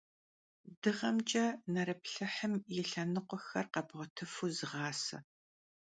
Dığemç'e nerıplhıhım yi lhenıkhuexer khebğuetıfu zığase.